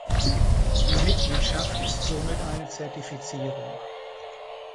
Die Mitgliedschaft ist somit eine Zertifizierung.